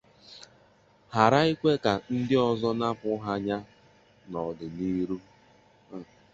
ghàrá ikwe ka ndị ọzọ napụ ha ya n'ọdịnihu